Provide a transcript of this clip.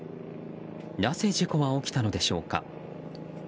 なぜ事故は起きたのでしょうか。